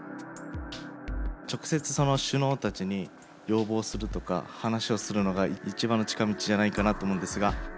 直接その首脳たちに要望するとか話をするのが一番の近道じゃないかなと思うんですが。